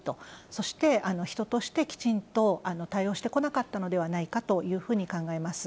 そして人としてきちんと対応してこなかったのではないかというふうに考えます。